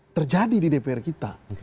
terjadi di dpr kita